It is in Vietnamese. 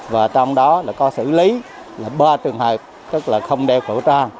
và trong đó là có xử lý là ba trường hợp tức là không đeo khẩu trang